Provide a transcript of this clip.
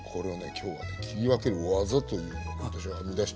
今日はね切り分ける技というのを私は編み出したの。